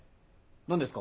何ですか？